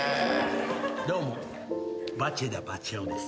どうもバチェ田バチェ男です。